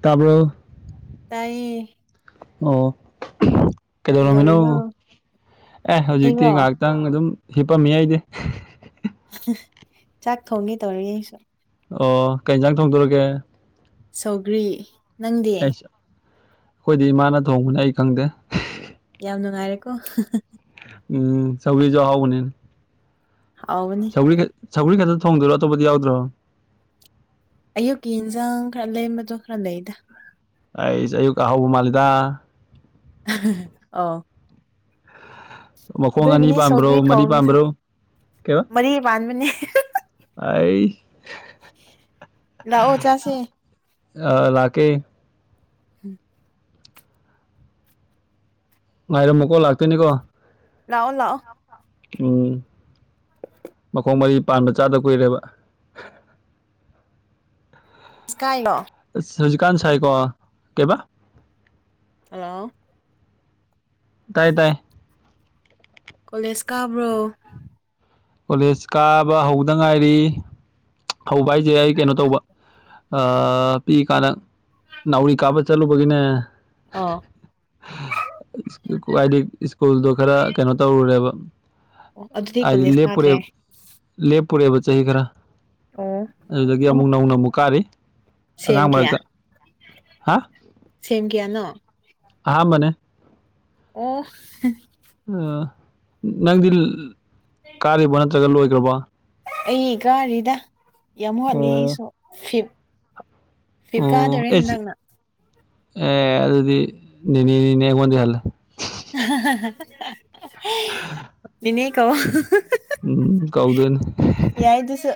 ꯇꯥꯔ꯭ꯕꯣ ꯇꯥꯏꯌꯦ ꯑꯣ ꯀꯩꯗꯧꯔꯝꯃꯤꯅꯣ ꯀꯩꯗꯧꯔꯤꯅꯣ ꯑꯦ ꯍꯧꯖꯤꯛꯇꯤ ꯑꯩꯔꯣ ꯉꯥꯛ ꯇꯪ ꯑꯗꯨꯝ ꯍꯤꯞꯄꯝꯃꯤ ꯑꯩꯗꯤ ꯆꯥꯛ ꯊꯣꯡꯒꯦ ꯇꯧꯔꯤ ꯑꯩꯁꯨ ꯑꯣ ꯀꯩ ꯖꯥꯡ ꯊꯣꯡꯗꯣꯔꯒꯦ ꯁꯧꯒ꯭ꯔꯤ ꯅꯪꯗꯤ ꯑꯩꯁ ꯑꯈꯣꯏꯗꯤ ꯏꯃꯥꯅ ꯊꯣꯡꯕꯅꯦ ꯑꯩ ꯈꯪꯗꯦ ꯌꯥꯝ ꯅꯨꯡꯉꯥꯏꯔꯦꯀꯣ ꯎꯝ ꯁꯧꯒ꯭ꯔꯤꯖꯨ ꯑꯍꯥꯎꯕꯅꯤ ꯍꯥꯎꯕꯅꯤ ꯁꯧꯒ꯭ꯔꯤ ꯁꯧꯒ꯭ꯔꯤ ꯈꯛꯇ ꯊꯣꯡꯗꯣꯏꯔꯣ ꯑꯇꯣꯞꯄꯗꯤ ꯌꯥꯎꯗ꯭ꯔꯣ ꯑꯌꯨꯛꯀꯤ ꯏꯟꯁꯥꯡ ꯈꯔꯂꯦꯝꯕꯗꯣ ꯈꯔ ꯂꯩꯗ ꯑꯩꯁ ꯑꯌꯨꯛ ꯑꯍꯥꯎꯕ ꯃꯥꯜꯂꯤꯗ ꯑꯣ ꯃꯈꯣꯡ ꯑꯅꯤ ꯑꯗꯨꯒꯤꯅꯦ ꯄꯥꯝꯕ꯭ꯔꯣ ꯁꯧꯒ꯭ꯔꯤ ꯃꯔꯤ ꯊꯣꯡꯉꯤꯁꯦ ꯄꯥꯝꯕ꯭ꯔꯣ ꯀꯩꯕ ꯃꯔꯤ ꯄꯥꯟꯕꯅꯦ ꯑꯩ ꯂꯥꯛꯑꯣ ꯆꯁꯦ ꯑ ꯂꯥꯛꯀꯦ ꯍꯨꯝ ꯉꯥꯏꯔꯝꯃꯀꯣ ꯂꯥꯛꯇꯣꯏꯅꯤꯀꯣ ꯂꯥꯛꯑꯣ ꯂꯥꯛꯑꯣ ꯎꯝ ꯃꯈꯣꯡ ꯃꯔꯤ ꯄꯥꯟꯕ ꯆꯥꯗꯕ ꯀꯨꯏꯔꯦꯕ ꯏꯁꯀꯥꯏꯂꯣ ꯑꯁ ꯍꯧꯖꯤꯛꯀꯥꯟ ꯁꯥꯏꯀꯣ ꯀꯩꯕꯥ ꯍꯜꯂꯣ ꯇꯥꯏ ꯗꯥꯏ ꯀꯣꯂꯦꯖ ꯀꯥꯕ꯭ꯔꯣ ꯀꯣꯂꯦꯖ ꯀꯥꯕ ꯍꯧꯕꯗ ꯉꯥꯏꯔꯤ ꯍꯧꯕ ꯍꯥꯏꯖꯦ ꯑꯩ ꯀꯩꯅꯣ ꯇꯧꯕ ꯑ ꯄꯤꯛꯏ ꯀꯥꯟꯗ ꯅꯥꯎꯔꯤ ꯀꯥꯞꯕ ꯆꯠꯂꯨꯕꯒꯤꯅꯦ ꯑꯥ ꯈꯨꯍꯥꯏꯗꯤ ꯁ꯭ꯀꯨꯜꯗꯣ ꯈꯔ ꯀꯩꯅꯣ ꯇꯧꯔꯨꯔꯦꯕ ꯑꯣ ꯑꯗꯨꯗꯤ ꯍꯥꯏꯗꯤ ꯀꯨꯂꯦꯁ ꯂꯦꯞꯄꯨꯔꯦ ꯀꯥꯗ꯭ꯔꯦ ꯂꯦꯞꯄꯨꯔꯦꯕ ꯆꯍꯤ ꯈꯔ ꯑꯣ ꯑꯗꯨꯗꯒꯤ ꯑꯃꯨꯛ ꯅꯧꯅ ꯑꯃꯨꯛ ꯀꯥꯔꯤ ꯁꯦꯝ ꯑꯉꯥꯡ ꯀꯌꯥ ꯃꯔꯛꯇ ꯍꯥ ꯁꯦꯝ ꯀꯌꯥꯅꯣ ꯑꯍꯥꯟꯕꯅꯦ ꯑꯣ ꯑ ꯅꯪꯗꯤ ꯀꯥꯔꯤꯕꯣ ꯅꯠꯇ꯭ꯔꯒ ꯂꯣꯏꯒ꯭ꯔꯕꯣ ꯑꯩ ꯀꯥꯔꯤꯗ ꯌꯥꯝ ꯋꯥꯠꯂꯤ ꯑꯣ ꯑꯩꯁꯨ ꯐꯤꯐ ꯑꯣ ꯐꯤꯐ ꯀꯥꯗꯧꯔꯦ ꯑꯦꯁ ꯍꯟꯗꯛꯅ ꯑꯦ ꯑꯗꯨꯗꯤ ꯅꯦꯅꯦ ꯅꯤꯅꯦ ꯑꯩꯉꯣꯟꯗꯤ ꯍꯜꯂꯦ ꯅꯦꯅꯦ ꯀꯧꯋꯣ ꯎꯝ ꯀꯧꯗꯣꯏꯅꯦ ꯌꯥꯏꯗꯨꯁꯨ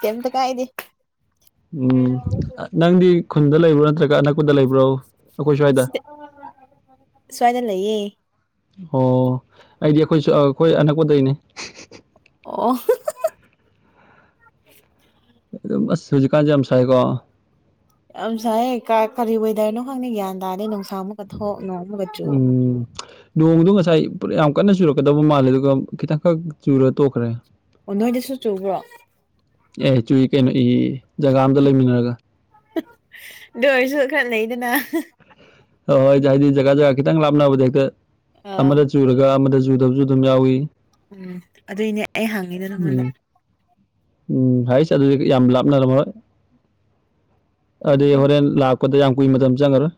ꯀꯩꯝꯇ ꯀꯥꯏꯗꯦ ꯎꯝ ꯅꯪꯗꯤ ꯈꯨꯟꯗ ꯂꯩꯕ꯭ꯔꯣ ꯅꯠꯇ꯭ꯔꯒ ꯑꯅꯛꯄꯗ ꯂꯩꯕ꯭ꯔꯣ ꯑꯩꯈꯣꯏ ꯁ꯭ꯋꯥꯏꯗ [inaudible] ꯁ꯭ꯋꯥꯏꯗ ꯂꯩꯌꯦ ꯑꯣ ꯑꯩꯗꯤ ꯑꯩꯈꯣꯏꯁꯨ ꯑꯩꯈꯣꯏ ꯑꯅꯛꯄꯗꯩꯅꯦ ꯑꯣ ꯑꯗꯨ ꯑꯁ ꯍꯧꯖꯤꯛꯀꯥꯟꯁꯦ ꯌꯥꯝ ꯁꯥꯏꯀꯣ ꯌꯥꯝ ꯁꯥꯏꯌꯦ ꯀꯥꯏ ꯀꯔꯤ ꯋꯦꯗꯔꯅꯣ ꯈꯪꯗꯦ ꯒ꯭ꯌꯥꯟ ꯇꯥꯗꯦ ꯅꯨꯡꯁꯥꯡ ꯑꯃꯨꯛꯀ ꯊꯣꯛ ꯅꯣꯡ ꯑꯃꯛꯀ ꯆꯨ ꯅꯣꯡꯗꯨ ꯉꯁꯥꯏ [unintelligible] ꯌꯥꯝ ꯀꯟꯅ ꯆꯨꯔꯛꯀꯗꯕ ꯃꯥꯜꯂꯦ ꯑꯗꯨꯒ ꯈꯤꯇꯪꯈꯛ ꯆꯨꯔ ꯇꯣꯛꯈ꯭ꯔꯦ ꯑꯣ ꯅꯣꯏꯗꯁꯨ ꯆꯨꯕ꯭ꯔꯣ ꯑꯦ ꯆꯨꯏ ꯀꯩꯅꯣ ꯏ ꯖꯒꯥ ꯑꯝꯇ ꯂꯩꯃꯤꯟꯅꯔꯒ ꯑꯗꯨꯑꯣꯏꯁꯨ ꯈꯦꯠꯅꯩꯗꯅ [unintelligible] ꯖꯒꯥ ꯖꯒꯥ ꯈꯤꯇꯪ ꯂꯥꯞꯅꯕꯗ ꯍꯦꯛꯇ ꯑꯥ ꯑꯃꯗ ꯆꯨꯔꯒ ꯑꯃꯗ ꯆꯨꯗꯕꯁꯨ ꯑꯗꯨꯝ ꯌꯥꯎꯏ ꯎꯝ ꯑꯗꯨꯏꯅꯦ ꯑꯩ ꯍꯪꯉꯤꯗꯣ ꯅꯪꯉꯣꯟꯗ ꯎꯝ ꯎꯝ ꯍꯩꯁ ꯑꯗꯨꯗꯤ ꯌꯥꯝ ꯂꯥꯞꯅꯔꯝꯃꯣꯏ ꯑꯗꯨꯗꯤ ꯎꯝ ꯍꯣꯔꯦꯟ ꯂꯥꯛꯄꯗ ꯌꯥꯝ ꯀꯨꯏ ꯃꯇꯝ ꯆꯪꯉꯔꯣꯏ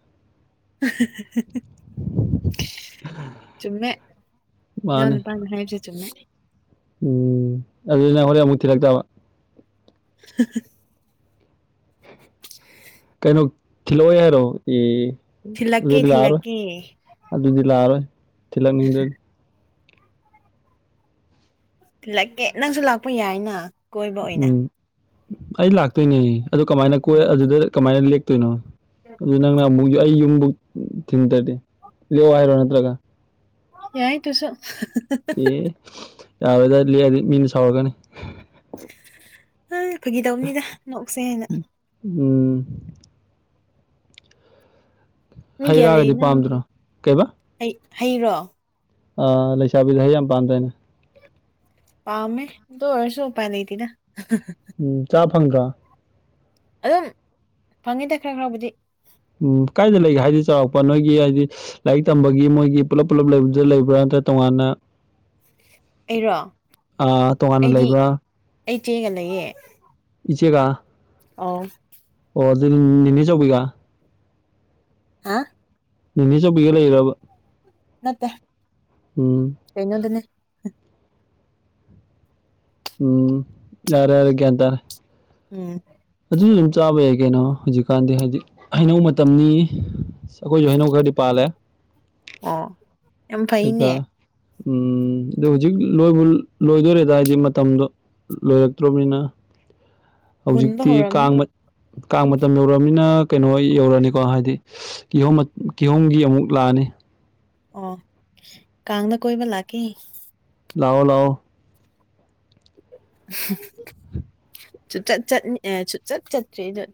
ꯆꯨꯝꯃꯦ ꯏꯅꯥꯎ ꯃꯥꯅꯦ ꯅꯨꯄꯥꯥꯅ ꯍꯥꯏꯕꯁꯦ ꯆꯨꯝꯃꯦ ꯎꯝ ꯑꯗꯨꯗꯤ ꯅꯪ ꯍꯣꯔꯦꯟ ꯑꯃꯨꯛ ꯊꯤꯔꯛꯇꯕ [unintelligible] ꯀꯩꯅꯣ ꯊꯤꯜꯂꯛꯑꯣꯏ ꯍꯥꯏꯔꯣ ꯑꯦ ꯊꯤꯜꯂꯛꯀꯦ ꯑꯗꯨ ꯂꯥꯛꯑꯔꯣꯏ ꯊꯤꯜꯂꯛꯀꯦ ꯑꯗꯨꯗꯤ ꯂꯥꯛꯑꯔꯣꯏ ꯊꯤꯜꯂꯛꯅꯤꯡꯗ ꯊꯤꯜꯂꯛꯀꯦ ꯅꯪꯁꯨ ꯂꯥꯛꯄ ꯌꯥꯏꯅ ꯀꯣꯏꯕ ꯑꯣꯏꯅ ꯎꯝ ꯑꯩ ꯂꯥꯛꯇꯣꯏꯅꯦ ꯑꯗꯨ ꯀꯃꯥꯏꯅ ꯀꯣꯏ ꯑꯗꯨꯗ ꯀꯃꯥꯏꯅ ꯂꯦꯛꯇꯣꯏꯅꯣ ꯑꯗꯨ ꯅꯪꯅ ꯑꯃꯨꯛ ꯑꯩ ꯌꯨꯝꯕꯨꯛ ꯊꯤꯟꯗꯗꯤ ꯂꯦꯛꯑꯣ ꯍꯥꯏꯔꯣ ꯅꯠꯇ꯭ꯔꯒ ꯌꯥꯏ ꯑꯗꯨꯁꯨ ꯑꯦ ꯌꯥꯔꯣꯏꯗ ꯂꯦꯛꯑꯗꯤ ꯃꯤꯅ ꯁꯥꯎꯔꯛꯒꯅꯤ [unintelligible] ꯐꯥꯒꯤ ꯗꯧꯕꯅꯤꯗ ꯅꯣꯛꯁꯦꯅ ꯎꯝ ꯃꯤ ꯍꯩ ꯀꯌꯥ ꯔꯥꯒꯗꯤ ꯂꯩꯅꯣ ꯄꯥꯝꯗ꯭ꯔꯣ ꯍꯩ ꯍꯩꯔꯣ ꯑ ꯂꯩꯁꯥꯕꯤꯗ ꯍꯩ ꯌꯥꯝ ꯄꯥꯝꯗꯥꯏꯅꯦ ꯄꯥꯝꯃꯦ ꯑꯗꯨ ꯑꯣꯏꯔꯁꯨ ꯎꯄꯥꯏ ꯂꯩꯇꯦꯗ ꯎꯝ ꯆꯥ ꯐꯪꯗ꯭ꯔꯣ ꯑꯗꯨꯝ ꯐꯪꯉꯤꯗ ꯈꯔ ꯈꯔꯕꯨꯗꯤ ꯎꯝ ꯀꯥꯏꯗ ꯂꯩꯒꯦ ꯍꯥꯏꯗꯤ ꯆꯥꯎꯔꯥꯛꯄ ꯅꯣꯏꯒꯤ ꯍꯥꯏꯗꯤ ꯂꯥꯏꯔꯤꯛ ꯇꯝꯕꯒꯤ ꯃꯣꯏꯒꯤ ꯄꯨꯂꯞ ꯄꯨꯂꯞ ꯂꯩꯕꯗꯨꯗ ꯂꯩꯕ꯭ꯔꯥ ꯅꯠꯇ꯭ꯔ ꯇꯣꯉꯥꯟꯅ ꯑꯩꯔꯣ ꯑꯥ ꯇꯣꯉꯥꯟꯅ ꯑꯩꯗꯤ ꯂꯩꯕ꯭ꯔꯥ ꯑꯩ ꯆꯦꯒ ꯂꯩꯌꯦ ꯏꯆꯦꯒ ꯑꯧ ꯑꯣ ꯑꯗꯨꯗꯤ ꯅꯤꯅꯦꯆꯧꯕꯤꯒ ꯍꯥ ꯅꯦꯅꯦꯆꯧꯕꯤꯒ ꯂꯩꯔꯤꯔꯥꯕ ꯅꯠꯇꯦ ꯎꯝ ꯀꯩꯅꯣꯗꯅꯦ ꯎꯝ ꯌꯥꯔꯦ ꯌꯥꯔꯦ ꯒꯥ꯭ꯌꯟ ꯇꯔꯦ ꯎꯝ ꯑꯗꯨꯗꯤ ꯑꯗꯨꯝ ꯆꯥꯕ ꯌꯥꯏ ꯀꯩꯅꯣ ꯍꯧꯖꯤꯛꯀꯥꯟꯗꯤ ꯍꯥꯏꯗꯤ ꯍꯩꯅꯧ ꯃꯇꯝꯅꯤ ꯑꯩꯈꯣꯏꯁꯨ ꯍꯩꯅꯧ ꯈꯔꯗꯤ ꯄꯥꯜꯂꯦ ꯑꯣ ꯌꯥꯝ ꯑꯗꯨꯒ ꯐꯩꯅꯦ ꯎꯝ ꯑꯗꯨ ꯍꯧꯖꯤꯛ ꯂꯣꯏꯕꯨ ꯂꯣꯏꯗꯣꯏꯔꯦꯗ ꯍꯥꯏꯗꯤ ꯃꯇꯝꯗꯣ ꯂꯣꯏꯛꯇ꯭ꯔꯣꯃꯤꯅ ꯃꯨꯟꯕ ꯍꯧꯖꯤꯛꯇꯤ ꯍꯧꯔꯝꯅꯤ ꯀꯥꯡ ꯀꯥꯡ ꯃꯇꯝ ꯌꯧꯔꯛꯑꯃꯤꯅ ꯀꯩꯅꯣꯍꯣꯏ ꯌꯧꯔꯛꯑꯅꯤꯀꯣ ꯍꯥꯏꯗꯤ ꯀꯤꯍꯣꯝ ꯀꯤꯍꯣꯝꯒꯤ ꯑꯃꯨꯛ ꯂꯥꯛꯑꯅꯤ ꯑꯣ ꯀꯥꯡꯗ ꯀꯣꯏꯕ ꯂꯥꯛꯀꯦ ꯂꯑꯣ ꯂꯥꯛꯑꯣ ꯍꯝ [unintelligible] ꯁꯨꯆꯠ ꯆꯠꯅꯤ ꯑꯦ ꯁꯨꯡꯆꯠ ꯆꯠꯇ꯭ꯔꯤ ꯑꯗꯨ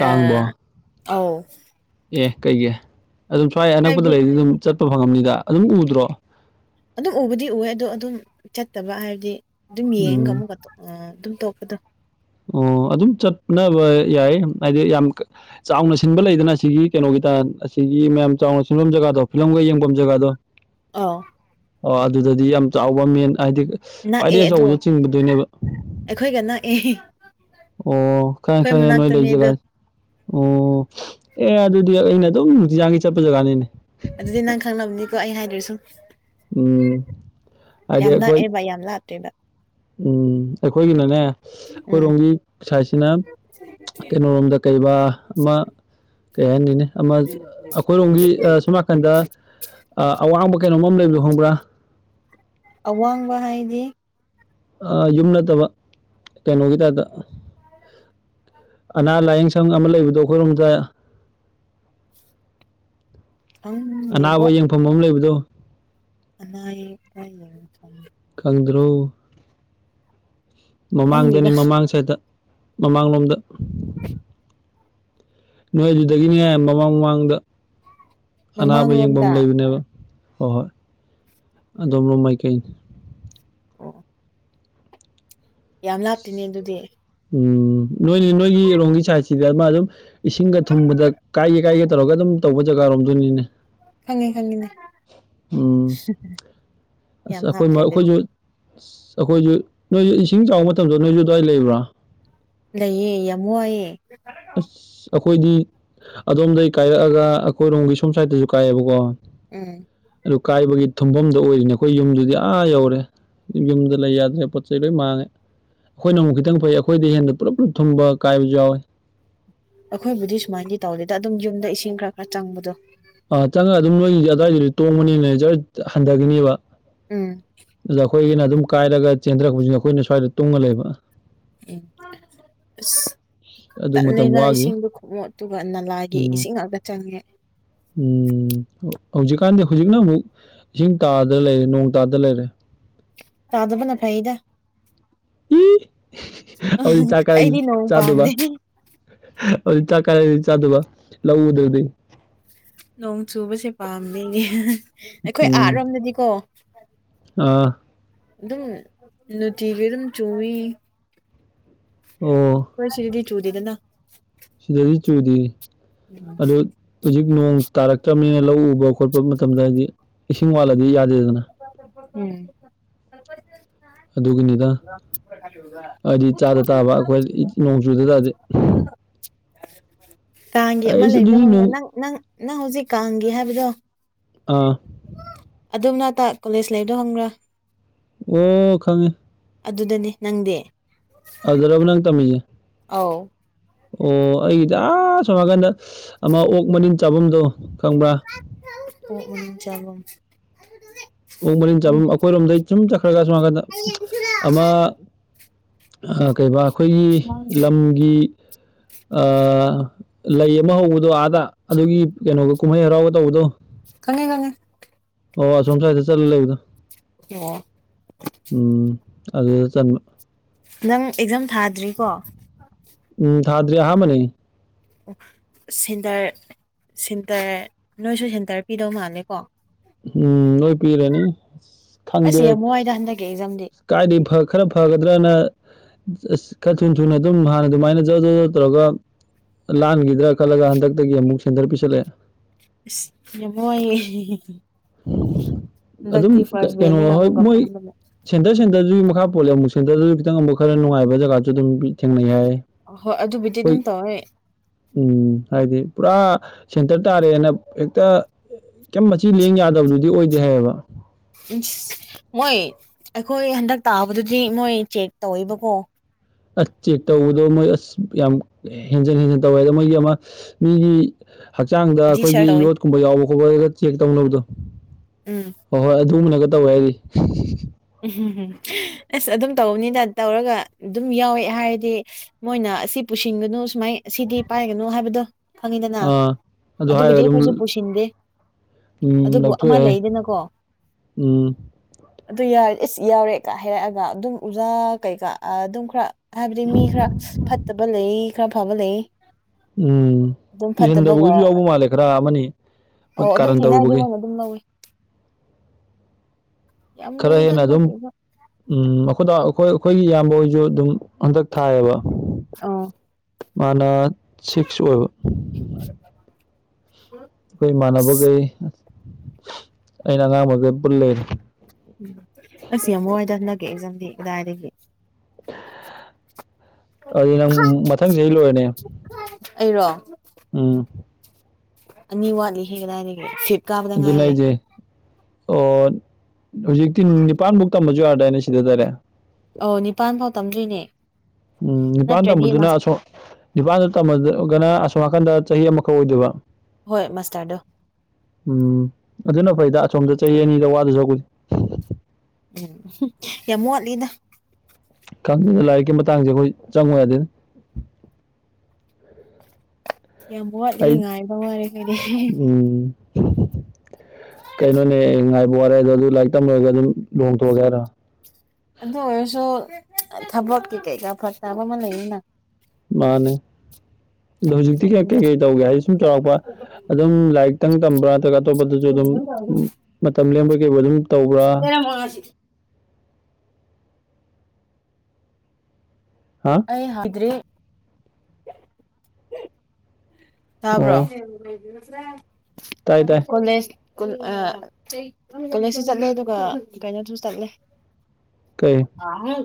ꯀꯥꯡꯕꯣ [unintelligible] ꯑꯧ ꯑꯦ ꯀꯩꯒꯤ ꯑꯗꯨꯝ ꯁ꯭ꯋꯥꯏ ꯍꯥꯏꯕꯗꯤ ꯑꯅꯛꯄꯗ ꯂꯩꯕꯁꯤꯗ ꯑꯗꯨꯝ ꯆꯠꯄ ꯐꯪꯉꯝꯅꯤꯗ ꯑꯗꯨꯝ ꯎꯗ꯭ꯔꯣ ꯑꯗꯨꯝ ꯎꯕꯗꯤ ꯎꯋꯦ ꯑꯗꯣ ꯑꯗꯨꯝ ꯆꯠꯇꯕ ꯍꯥꯏꯗꯤ ꯑꯗꯨꯝ ꯌꯦꯡꯉꯒ ꯎꯝ ꯑꯃꯨꯛꯀ ꯑꯗꯨꯝ ꯇꯣꯛꯄꯗꯣ ꯑꯣ ꯑꯗꯨꯝ ꯆꯠꯅꯕ ꯌꯥꯏ ꯍꯥꯏꯗꯤ ꯌꯥꯝ ꯆꯥꯎꯅ ꯁꯤꯟꯕ ꯂꯩꯗꯅ ꯑꯁꯤꯒꯤ ꯀꯩꯅꯣꯒꯤ ꯑꯁꯤꯒꯤ ꯃꯌꯥꯝ ꯆꯥꯎꯅ ꯁꯤꯟꯐꯝ ꯖꯒꯥꯗꯣ ꯐꯤꯂꯝꯒ ꯌꯦꯡꯐꯝ ꯖꯒꯥꯗꯣ ꯑꯥꯎ ꯑꯣ ꯑꯗꯨꯗꯗꯤ ꯌꯥꯝ ꯆꯥꯎꯕ ꯃꯦꯟ ꯍꯥꯏꯗꯤ ꯅꯛꯑꯦ ꯈ꯭ꯋꯥꯏꯗꯒꯤ ꯑꯗꯣ ꯑꯆꯧꯕꯗꯨ ꯆꯤꯡꯒꯗꯣꯏꯅꯦꯕ ꯑꯩꯈꯣꯏꯒ ꯅꯛꯑꯦ ꯑꯣ ꯈꯪꯉꯦ ꯈꯪꯉꯦ ꯅꯣꯢ ꯂꯩ ꯃꯅꯥꯛꯇꯅꯦ ꯑꯗꯣ ꯖꯒꯥꯁꯦ ꯑꯣ ꯑꯦ ꯑꯗꯨꯗꯤ ꯑꯩꯅ ꯑꯗꯨꯝ ꯅꯨꯡꯇꯤꯖꯥꯡꯒꯤ ꯆꯠꯄ ꯖꯒꯥꯅꯤꯅꯦ ꯑꯗꯨꯗꯤ ꯅꯪ ꯈꯪꯂꯝꯅꯤꯀꯣ ꯑꯩ ꯍꯥꯏꯗ꯭ꯔꯁꯨ ꯎꯝ ꯍꯥꯏꯗꯤ ꯌꯥꯝ ꯑꯩꯈꯣꯏ ꯅꯛꯑꯦꯕ ꯌꯥꯝ ꯂꯥꯞꯇꯦꯕ ꯎꯝ ꯑꯩꯈꯣꯏꯒꯤꯅꯅꯦ ꯎꯝ ꯑꯩꯈꯣꯏꯔꯣꯝꯒꯤ ꯁꯥꯏꯗꯁꯤꯅ ꯀꯩꯅꯣꯔꯣꯝꯗ ꯀꯩꯕꯥ ꯑꯃ ꯀꯩ ꯍꯥꯏꯅꯤꯅꯦ ꯑꯃ ꯑꯩꯈꯣꯏꯔꯣꯝꯒꯤ ꯑ ꯁꯣꯝ ꯅꯥꯀꯟꯗ ꯑ ꯑꯋꯥꯡꯕ ꯀꯩꯅꯣꯝꯃ ꯑꯃ ꯂꯩꯕꯗꯣ ꯈꯪꯕ꯭ꯔꯥ ꯑꯋꯥꯡꯕ ꯍꯥꯏꯗꯤ ꯑ ꯌꯨꯝ ꯅꯠꯇꯕ ꯀꯩꯅꯣꯒꯤ ꯇꯥꯏꯞꯇ ꯑꯅꯥ ꯂꯥꯏꯌꯦꯡ ꯁꯪ ꯑꯃ ꯂꯩꯕꯗꯣ ꯑꯩꯈꯣꯏꯔꯣꯝꯗ [inaudible] ꯈꯪꯗꯦꯕꯣ ꯑꯅꯥꯕ ꯌꯦꯡꯐꯝ ꯑꯃ ꯂꯩꯕꯗꯣ ꯑꯅꯥ ꯌꯦꯛ [unintelligible] ꯈꯪꯗ꯭ꯔꯣ ꯃꯃꯥꯡꯗꯅꯤ ꯈꯪꯗꯦꯗ ꯃꯃꯥꯡ ꯁꯥꯢꯠꯇ ꯃꯃꯥꯡꯂꯣꯝꯗ ꯅꯣꯏ ꯑꯗꯨꯗꯒꯤꯅꯦ ꯃꯃꯥꯡ ꯃꯃꯥꯡꯗ ꯑꯅꯥꯕ ꯌꯦꯡꯕꯝ ꯃꯃꯥꯡꯂꯣꯝꯗ ꯂꯩꯕꯅꯦꯕ ꯍꯣꯏ ꯍꯣꯏ ꯑꯗꯣꯝꯔꯣꯝ ꯃꯥꯏꯀꯩ ꯑꯣ ꯌꯥꯝ ꯂꯥꯞꯇꯤꯅꯦ ꯑꯗꯨꯗꯤ ꯎꯝ ꯅꯣꯏꯒꯤ ꯅꯣꯏꯒꯤꯔꯣꯝꯒꯤ ꯁꯥꯏꯠꯁꯤꯗꯤ ꯑꯃ ꯑꯗꯨꯝ ꯏꯁꯤꯡꯒ ꯊꯨꯡꯕꯗ ꯀꯥꯏꯒꯦ ꯀꯥꯏꯒꯦ ꯇꯧꯔꯒ ꯑꯗꯨꯝ ꯇꯧꯕ ꯖꯒꯥꯔꯣꯝꯗꯨꯅꯤꯅꯦ ꯈꯪꯉꯦ ꯈꯪꯉꯤꯅꯦ ꯎꯝ ꯑꯁ ꯌꯥꯝ ꯑꯈꯣꯏ ꯂꯥꯞꯇ꯭ꯔꯦ ꯃ ꯑꯗꯨꯗꯤ ꯑꯈꯣꯏꯖꯨ ꯑꯁ ꯑꯈꯣꯏꯖꯨ ꯅꯣꯏꯖꯨ ꯏꯁꯤꯡ ꯆꯥꯎ ꯃꯇꯝꯗꯣ ꯅꯣꯏꯖꯨ ꯗ꯭ꯋꯥꯏ ꯂꯩꯕ꯭ꯔꯥ ꯂꯩꯌꯦ ꯌꯥꯝ ꯋꯥꯏꯑꯦ ꯑꯁ ꯑꯩꯈꯣꯏꯗꯤ ꯑꯗꯣꯝꯗꯒꯤ ꯀꯥꯏꯔꯛꯑꯒ ꯑꯩꯈꯣꯏꯔꯣꯝꯒꯤ ꯁꯣꯝ ꯁꯥꯏꯠꯇꯁꯨ ꯀꯥꯏꯌꯦꯕꯀꯣ ꯎꯝ ꯑꯗꯨ ꯀꯥꯏꯕꯒꯤ ꯊꯨꯝꯐꯝꯗꯣ ꯑꯣꯏꯔꯤꯅꯦ ꯑꯩꯈꯣꯏ ꯌꯨꯝꯗꯨꯗꯤ ꯑꯥ ꯌꯧꯔꯦ ꯌꯨꯝꯗ ꯂꯩ ꯌꯥꯗ꯭ꯔꯦ ꯄꯣꯠ ꯆꯩ ꯂꯣꯏ ꯃꯥꯡꯉꯦ ꯑꯩꯈꯣꯏꯅ ꯑꯃꯨꯛ ꯈꯤꯇꯪ ꯐꯩ ꯑꯩꯈꯣꯏꯗꯩ ꯍꯦꯟꯅ ꯄꯨꯂꯞ ꯄꯨꯂꯞ ꯊꯨꯝꯕ ꯀꯥꯏꯕꯖꯨ ꯌꯥꯎꯋꯦ ꯑꯩꯈꯣꯏꯕꯨꯗꯤ ꯁꯨꯃꯥꯏꯅꯗꯤ ꯇꯧꯗꯦꯗ ꯑꯗꯨꯝ ꯌꯨꯝꯗ ꯏꯁꯤꯡ ꯈꯔ-ꯈꯔ ꯆꯪꯕꯗꯣ꯫ ꯑꯥ ꯆꯪꯉ ꯑꯗꯨꯝ ꯅꯣꯏꯒꯤꯗꯤ ꯑꯗ꯭ꯋꯥꯏꯒꯤꯗꯤ ꯇꯣꯡꯕꯅꯤꯅ ꯖꯔꯠ ꯍꯟꯗꯒꯤꯅꯤꯕ ꯎꯝ꯫ ꯅꯈꯣꯢꯒꯤꯅ ꯑꯗꯨꯝ ꯀꯥꯏꯔꯒ ꯆꯦꯟꯊꯔꯛꯄꯁꯤꯅ ꯑꯩꯈꯣꯏꯅ ꯁ꯭ꯋꯥꯏꯗ ꯇꯨꯡꯉ ꯂꯩꯕ꯫ ꯑꯁ꯫ ꯑꯗꯨ ꯃꯇꯝ ꯇꯟꯂꯦꯗ ꯋꯥꯈꯤ ꯏꯁꯤꯡ ꯈꯣꯃꯣꯠꯇꯨꯒ ꯅꯂꯥꯒꯤ ꯎꯝ ꯏꯁꯤꯡ ꯉꯥꯛꯇ ꯆꯪꯉꯦ꯫ ꯎꯝ ꯍꯧꯖꯤꯛꯀꯥꯟꯗꯤ ꯍꯧꯖꯤꯛꯅ ꯑꯃꯨꯛ ꯏꯁꯤꯡ ꯇꯥꯗ ꯂꯩꯔꯦ ꯅꯣꯡ ꯇꯥꯗ ꯂꯩꯔꯦ꯫ ꯇꯥꯗꯕꯅ ꯐꯩꯌꯦꯗ꯫ ꯑꯗꯨꯗꯤ ꯆꯥꯛ ꯀꯥꯏ ꯑꯩꯗꯤ ꯅꯣꯡ ꯆꯥꯗꯨꯏꯕ? ꯄꯥꯝꯗꯦ ꯑꯗꯨꯗꯤ ꯆꯥꯛ ꯀꯥꯏꯗꯩ ꯆꯥꯗꯨꯕ ꯂꯧ ꯎꯗ꯭ꯔꯥꯗꯤ? ꯅꯣꯡ ꯆꯨꯕꯁꯦ ꯄꯥꯝꯃꯦꯌꯦ ꯑꯩꯈꯣꯏ ꯑꯥ ꯎꯝ ꯔꯣꯝꯗꯗꯤꯀꯣ ꯑꯥ ꯑꯗꯨꯝ ꯅꯨꯡꯇꯤꯒꯤ ꯑꯗꯨꯝ ꯆꯣꯏꯌꯤ ꯑꯣ ꯈꯣꯏꯁꯤꯗꯗꯤ ꯆꯨꯗꯦꯗꯅ ꯁꯤꯗꯗꯤ ꯆꯨꯗꯤꯌꯦ ꯑꯗꯨ ꯍꯧꯖꯤꯛ ꯅꯣꯡ ꯇꯥꯔꯛꯇ꯭ꯔꯕꯅꯤꯅ ꯂꯧ ꯎꯕ ꯈꯣꯠꯄ ꯃꯇꯝꯗ ꯍꯥꯏꯗꯤ ꯏꯁꯤꯡ ꯋꯥꯠꯂꯗꯤ ꯌꯗꯦ ꯗꯦꯗꯅꯥ [unintelligible] ꯎꯝ ꯑꯗꯨꯒꯤꯅꯤꯗ ꯍꯥꯏꯗꯤ ꯆꯥꯗ ꯇꯥꯕ ꯑꯩꯈꯣꯏ ꯅꯣꯡ ꯆꯨꯗ ꯇꯥꯗꯤ ꯀꯥꯡꯒꯤ ꯑꯃ ꯑꯩꯁ ꯂꯩꯕꯗꯣ ꯑꯗꯨꯗꯤ ꯍꯪꯕ ꯅꯣꯡ ꯅꯪ ꯅꯪ ꯅꯪ ꯍꯧꯖꯤꯛ ꯀꯥꯡꯒꯤ ꯍꯥꯏꯕꯗꯣ ꯑꯥ ꯑꯗꯨ ꯃꯅꯛꯇ ꯀꯣꯂꯦꯖ ꯂꯩꯕꯗꯣ ꯍꯪꯕ꯭ꯔꯥ ꯑꯣ ꯈꯪꯉꯦ ꯑꯗꯨꯗꯅꯦ ꯅꯪꯗꯤ ꯑꯗꯨꯖ ꯔꯔꯕ ꯅꯪ ꯇꯝꯃꯤ ꯑꯥꯎ ꯑꯣ ꯑꯩꯒꯤꯗꯤ ꯑꯁꯣꯝ ꯅꯥꯀꯟꯗ ꯑꯃ ꯑꯣꯛ ꯃꯅꯤꯟ ꯆꯥꯐꯝꯗꯣ ꯈꯪꯕ꯭ꯔꯥ ꯑꯣ ꯎꯝ ꯆꯕꯝ ꯑꯣ ꯃꯔꯤꯟ ꯆꯥꯐꯝ ꯑꯩꯈꯣꯏꯔꯣꯝꯗꯒꯤꯩ ꯁꯨꯝ ꯆꯠꯈ꯭ꯔꯒ ꯁꯨꯃꯀꯗ ꯑꯃ ꯀꯩꯕꯥ ꯑꯩꯈꯣꯏꯒꯤ ꯂꯝꯒꯤ ꯑ ꯂꯩ ꯑꯃ ꯍꯧꯕꯗꯣ ꯑꯥꯗ ꯑꯗꯨꯒꯤ ꯀꯩꯅꯣꯒ ꯀꯨꯝꯍꯩ ꯍꯔꯥꯎꯕ ꯇꯧꯕꯗꯣ ꯈꯪꯉ‌ꯦ ꯈꯪꯉ‌ꯦ ꯑꯣ ꯁꯣꯝꯁ ꯆꯠ ꯂꯩꯗ ꯑꯣ ꯎꯝ ꯑꯗꯨ ꯆꯟ ꯅꯪ ꯑꯦꯛꯖꯥꯝ ꯊꯥꯗ꯭ꯔꯤꯀꯣ ꯎꯝ ꯊꯥꯗ꯭ꯔꯤ ꯑꯍꯥꯟꯕꯅꯤ ꯑꯣ ꯁꯦꯟꯇꯔ ꯁꯤꯦꯟꯇꯔ ꯅꯣꯏꯁꯨ ꯁꯦꯟꯇꯔ ꯄꯤꯗꯧ ꯃꯥꯜꯂꯦꯀꯣ ꯎꯝ ꯅꯣꯏ ꯄꯤꯔꯅꯤ ꯈꯪꯗꯦ ꯍꯟꯛꯦ ꯑꯦꯛꯖꯝꯗꯤ ꯀꯥꯏꯗ ꯈꯔ ꯐꯒꯗ꯭ꯔꯅ ꯑꯁ ꯈꯔ ꯊꯨ ꯊꯨꯅ ꯑꯗꯨꯝ ꯍꯥꯟꯅ ꯑꯗꯨꯃꯥꯏꯅ ꯖꯔ ꯖꯔ ꯖꯧ ꯇꯧꯔꯒ ꯂꯥꯟꯈꯤꯗ꯭ꯔꯥ ꯈꯜꯂꯒ ꯍꯟꯗꯛꯇꯒꯤ ꯑꯃꯨꯛ ꯁꯦꯟꯇꯔ ꯄꯤꯁꯜꯂꯛꯑꯦ ꯃꯣꯏ ꯑꯗꯨꯝ ꯏꯛꯇ ꯀ- ꯐꯥꯔꯁ ꯀꯩꯅꯣ ꯍꯣꯏ ꯕꯅꯒꯃꯛꯒꯄ ꯃꯣꯏ ꯁꯦꯟꯇꯔ ꯁꯦꯟꯇꯔꯗꯨꯒꯤ ꯃꯈꯥ ꯄꯣꯂꯦ ꯑꯃꯨꯛ ꯁꯦꯟꯇꯔꯗꯨꯁꯨ ꯈꯤꯇꯪ ꯑꯃꯨꯛ ꯈꯔ ꯅꯨꯡꯉꯥꯏꯕ ꯖꯒꯥꯁꯨ ꯑꯗꯨꯝ ꯄꯤ ꯊꯦꯡꯅꯩ ꯍꯥꯏ ꯍꯣꯏ ꯑꯗꯨꯕꯨꯗꯤ ꯑꯩꯈꯣꯏ ꯑꯗꯨꯝ ꯇꯧꯋꯦ ꯎꯝ ꯍꯥꯏꯗꯤ ꯄꯨꯔꯥ ꯁꯦꯟꯇꯔ ꯇꯥꯔꯦꯅ ꯍꯦꯛꯇ ꯀꯩ ꯃꯆꯤ ꯂꯦꯡ ꯌꯥꯗꯕꯗꯨꯗꯤ ꯑꯣꯏꯗꯦ ꯍꯥꯏꯌꯦꯕ ꯎꯝ ꯃꯣꯏ ꯑꯩꯈꯣꯏ ꯍꯟꯗꯛ ꯇꯥꯕꯗꯨꯗꯤ ꯃꯣꯏ ꯆꯦꯛ ꯇꯧꯋꯦꯕꯀꯣ ꯑꯁ ꯆꯦꯛ ꯇꯧꯕꯗꯣ ꯃꯣꯏ ꯑꯁ ꯌꯥꯝ ꯍꯦꯟꯖꯟ ꯍꯦꯟꯖꯤꯟ ꯇꯧꯋꯦ ꯑꯗ ꯃꯣꯏꯒꯤ ꯑꯃ ꯃꯤꯒꯤ ꯍꯛꯆꯥꯡꯗ ꯔꯤꯁꯔ ꯑꯩꯈꯣꯏꯒꯤ ꯇꯧꯋꯦ ꯌꯣꯠꯀꯨꯝꯕ ꯌꯥꯎꯕ ꯈꯣꯠꯄꯒ ꯆꯦꯛ ꯇꯧꯅꯕꯗꯣ ꯎꯝ ꯍꯣꯏ ꯍꯣꯏ ꯑꯗꯨꯒꯨꯝꯅꯒ ꯇꯧꯋꯦ ꯍꯥꯏꯔꯤ ꯎꯝ ꯎꯝ ꯎꯝ ꯑꯁ ꯑꯗꯨꯝ ꯇꯧꯕꯅꯤꯅ ꯇꯧꯔꯒ ꯑꯗꯨꯝ ꯌꯥꯎꯋꯦ ꯍꯥꯏꯗꯤ ꯃꯣꯏꯅ ꯑꯁꯤ ꯄꯨꯁꯤꯟꯒꯅꯨ ꯁꯨꯃꯥꯏ ꯁꯤꯗꯤ ꯄꯥꯏꯒꯅꯨ ꯍꯥꯏꯕꯗꯣ ꯐꯪꯉꯤꯗꯅ ꯑꯥ ꯑꯗꯨ ꯑꯗꯨꯕꯨꯗꯤ ꯍꯥꯏꯔꯒ ꯑꯗꯨꯝ ꯑꯩꯈꯣꯏꯁꯨ ꯄꯨꯁꯤꯟꯗꯦ ꯎꯝ ꯑꯗꯨꯕꯨ ꯑꯃ ꯂꯧꯊꯣꯛꯑꯦ ꯍꯥꯏ ꯂꯩꯗꯅꯀꯣ ꯎꯝ ꯑꯗꯨ ꯌꯥ ꯏꯁ ꯌꯥꯎꯔꯦꯀ ꯍꯥꯏꯔꯛꯑꯒ ꯑꯗꯨꯝ ꯑꯣꯖꯥ ꯀꯩꯀꯥ ꯑꯗꯨꯝ ꯈꯔ ꯍꯥꯏꯕꯗꯤ ꯃꯤ ꯈꯔ ꯐꯠꯇꯕ ꯂꯩ ꯈꯔ ꯐꯕ ꯂꯩ ꯎꯝ ꯑꯗꯨꯝ ꯐꯠꯇꯕꯒ ꯏꯍꯟꯗꯕꯒꯤꯁꯨ ꯌꯥꯎꯕ ꯃꯥꯜꯂꯦ ꯈꯔ ꯑꯃꯅꯤ ꯃꯣꯏ ꯑꯣ ꯑꯗꯨꯝ ꯀꯥꯔꯟ ꯊꯦꯡꯅꯏꯗꯤ ꯇꯧꯔꯨꯕꯒꯤ ꯃꯣꯏꯅ ꯑꯗꯨꯝ ꯂꯧꯏ ꯌꯥꯝ ꯈꯔ ꯂꯨꯏꯗ ꯍꯦꯟꯅ ꯑꯗꯨꯝ ꯍꯟꯗꯛꯀꯤ ꯑꯦꯛꯖꯥꯝ ꯎꯝ ꯑꯩꯈꯣꯏꯗ ꯑꯩꯈꯣꯏ ꯑꯩꯈꯣꯏꯒꯤ ꯏꯌꯥꯝꯕ ꯍꯣꯏꯁꯨ ꯑꯗꯨꯝ ꯍꯟꯗꯛ ꯊꯥꯏꯌꯦꯕ ꯑꯣ ꯃꯥꯅ ꯁꯤꯛꯁ ꯑꯣꯏꯕ [unintelligible] ꯑꯩꯈꯣꯏ ꯏꯃꯥꯟꯅꯕꯈꯩ ꯑꯩꯅ ꯑꯉꯥꯡꯕꯈꯩ ꯄꯨꯜ ꯂꯩꯔꯦ ꯎꯝ ꯑꯁ ꯌꯥꯝ ꯋꯥꯏꯗ ꯍꯟꯗꯛꯀꯤ ꯑꯦꯛꯖꯥꯝꯗꯤ ꯀꯗꯥꯏꯗꯒꯤ ꯑꯗꯨꯗꯤ ꯅꯪ ꯃꯊꯪ ꯆꯍꯤ ꯂꯣꯏꯔꯅꯤ ꯑꯩꯔꯣ ꯎꯝ ꯑꯅꯤ ꯋꯥꯠꯂꯤꯍꯦ ꯀꯗꯥꯏꯗꯒꯤ ꯐꯤꯐ ꯑꯗꯨꯅꯦ ꯍꯥꯏꯖꯦ ꯑꯣ ꯍꯧꯖꯤꯛꯇꯤ ꯅꯤꯄꯥꯟꯕꯨꯒ ꯇꯝꯕꯁꯨ ꯌꯥꯔꯗꯥꯏꯅꯦ ꯁꯤꯗ ꯗꯥꯏꯔꯦꯛ ꯑꯣ ꯅꯤꯄꯥꯟ ꯐꯥꯎ ꯇꯝꯗꯣꯏꯅꯦ ꯎꯝ ꯅꯤꯄꯥꯜ ꯅꯠꯇ꯭ꯔꯗꯤ ꯇꯝꯕꯗꯨꯅ ꯃꯥꯁ ꯑꯁꯣꯝ ꯅꯤꯄꯥꯜꯗꯣ ꯇꯝꯃꯒꯅ ꯑꯁꯣꯝ ꯅꯥꯀꯟꯗ ꯆꯍꯤ ꯑꯃꯈꯛ ꯑꯣꯏꯗꯣꯏꯕ ꯍꯣꯏ ꯃꯥꯁꯇꯔꯗꯣ ꯎꯝ ꯑꯗꯨꯅ ꯐꯩꯗ ꯑꯁꯣꯝꯗ ꯆꯍꯤ ꯑꯅꯤꯗ ꯋꯥꯗꯧ ꯁꯔꯨꯛꯄꯨꯗꯤ ꯌꯥꯝ ꯋꯥꯠꯂꯤꯗ ꯈꯪꯗꯦꯗ ꯂꯥꯏꯔꯤꯛꯀꯤ ꯃꯇꯥꯡꯁꯦ ꯑꯩꯈꯣꯏ ꯆꯪꯉꯨ ꯌꯥꯗꯦꯗ ꯌꯥꯝ ꯋꯥꯠꯂꯤ ꯑꯩ ꯉꯥꯏꯕ ꯋꯥꯔꯦ ꯑꯩꯗꯤ ꯎꯝ ꯀꯩꯅꯣꯅꯦ ꯉꯥꯏꯕ ꯋꯥꯔꯦ ꯍꯥꯏꯗꯣ ꯑꯗꯨ ꯂꯥꯏꯔꯤꯛ ꯇꯝ ꯂꯣꯏꯔꯒ ꯑꯗꯨꯝ ꯂꯨꯍꯣꯡꯊꯣꯛꯑꯒꯦ ꯍꯥꯏꯔꯣ ꯑꯗꯨ ꯑꯣꯏꯔꯁꯨ ꯊꯕꯛꯀꯤ ꯀꯩꯀꯥ ꯐꯔꯛ ꯇꯥꯕ ꯑꯃ ꯂꯩꯅꯤꯅ ꯃꯥꯅꯦ ꯑꯗꯣ ꯍꯧꯖꯤꯛꯇꯤ ꯀꯩ ꯑꯗꯨꯒꯤꯅꯤꯗ ꯀꯩꯀꯩ ꯇꯧꯒꯦ ꯍꯥꯏ ꯁꯨꯝ ꯆꯥꯎꯔꯥꯛꯄ ꯑꯗꯨꯝ ꯂꯥꯏꯛ ꯈꯤꯇꯪ ꯇꯝꯕ꯭ꯔꯥ ꯅꯠꯇ꯭ꯔꯒ ꯑꯇꯣꯞꯄꯗꯁꯨ ꯑꯗꯨꯝ ꯃꯇꯝ ꯂꯦꯟꯕꯣꯏ ꯀꯩꯕꯣꯏ ꯑꯗꯨꯝ ꯇꯧꯕ꯭ꯔꯥ ꯀꯅꯥꯝ ꯋꯥ ꯉꯥꯡꯏꯁꯤ ꯍꯥ ꯑꯩ ꯍꯥꯏꯗ꯭ꯔꯤ ꯇꯥꯕ꯭ꯔꯣ ꯑꯣ ꯇꯥꯏ ꯇꯥꯏ ꯀꯣꯂꯦꯖ ꯀꯣꯜ ꯑ ꯀꯣꯂꯦꯖꯁꯨ ꯆꯠꯂꯦ ꯑꯗꯨꯒ ꯀꯩꯅꯣꯁꯨ ꯆꯠꯂꯦ ꯀꯩ ꯀꯥꯎꯅꯤ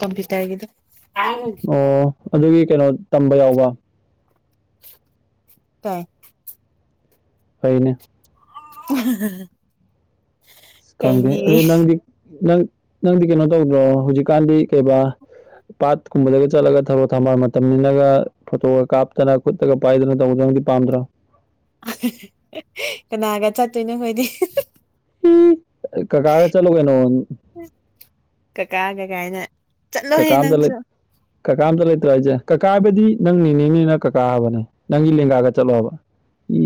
ꯀꯝꯄ꯭ꯌꯨꯇꯔꯒꯤꯗꯣ ꯑꯪ ꯑꯣ ꯑꯗꯨꯒꯤ ꯀꯩꯅꯣ ꯇꯝꯕ ꯌꯥꯎꯕ ꯇꯥꯏ ꯐꯩꯅꯦ [unintelligible] ꯈꯪꯗꯦ ꯀꯩꯅꯦ ꯑꯗꯣ ꯅꯪꯗꯤ ꯅꯪ ꯅꯪꯗꯤ ꯀꯩꯅꯣ ꯇꯧꯗ꯭ꯔꯣ ꯍꯧꯖꯤꯛꯀꯥꯟꯗꯤ ꯀꯩꯕꯥ ꯄꯥꯠ ꯀꯨꯝꯕꯗꯒ ꯆꯠꯂꯒ ꯊꯕꯛ ꯊꯝꯕꯥꯜ ꯃꯇꯝꯅꯤꯅꯒ ꯐꯣꯇꯣꯒ ꯀꯥꯞꯇꯅ ꯈꯨꯠꯇꯒ ꯄꯥꯏꯗꯅ ꯇꯧꯕꯗꯣ ꯅꯪꯗꯤ ꯄꯥꯝꯗ꯭ꯔꯣ ꯀꯅꯥꯒ ꯆꯠꯇꯣꯏꯅꯣ ꯍꯣꯏꯗꯤ ꯍꯨꯝ ꯀꯥꯀꯥꯒ ꯆꯠꯂꯨ ꯀꯩꯅꯣ ꯀꯀꯥꯒ ꯀꯥꯏꯅ ꯀꯀꯥ ꯆꯠꯂꯣꯍꯦ ꯑꯝꯇ ꯂꯩ ꯅꯪꯁꯨ ꯀꯀꯥ ꯑꯝꯇ ꯂꯩꯇ꯭ꯔꯣ ꯍꯥꯏꯖꯦ ꯀꯀꯥ ꯍꯥꯏꯕꯗꯤ ꯅꯪ ꯅꯦꯅꯦꯅꯤꯅ ꯀꯀꯥ ꯍꯥꯏꯕꯅꯦ ꯅꯪꯒꯤ ꯂꯦꯡꯒꯥꯒ ꯆꯠꯂꯣ ꯍꯥꯏꯕ ꯏ